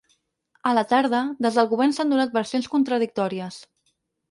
A la tarda, des del govern s’han donat versions contradictòries.